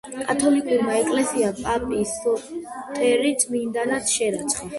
კათოლიკურმა ეკლესიამ პაპი სოტერი წმინდანად შერაცხა.